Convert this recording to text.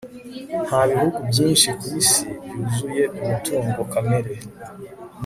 nta bihugu byinshi ku isi byuzuye umutungo kamere